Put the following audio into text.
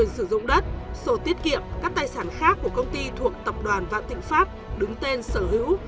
sử dụng đất sổ tiết kiệm các tài sản khác của công ty thuộc tập đoàn vạn thịnh pháp đứng tên sở hữu